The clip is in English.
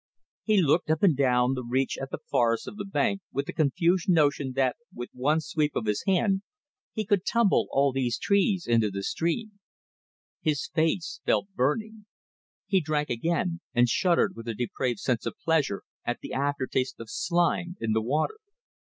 He looked up and down the reach at the forests of the bank with a confused notion that with one sweep of his hand he could tumble all these trees into the stream. His face felt burning. He drank again, and shuddered with a depraved sense of pleasure at the after taste of slime in the water.